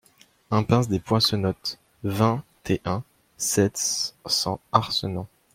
Impasse des Poissenottes, vingt et un, sept cents Arcenant